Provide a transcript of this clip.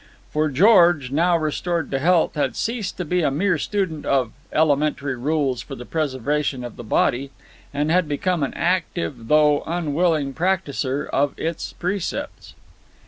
For George, now restored to health, had ceased to be a mere student of "Elementary Rules for the Preservation of the Body" and had become an active, though unwilling, practiser of its precepts.